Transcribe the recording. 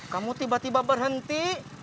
kamu tiba tiba berhenti